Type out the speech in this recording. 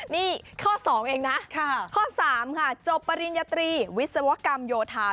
นี่ข้อ๒เองนะข้อ๓ค่ะจบปริญญาตรีวิศวกรรมโยธา